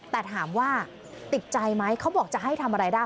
แต่ถามว่าติดใจไหมเขาบอกจะให้ทำอะไรได้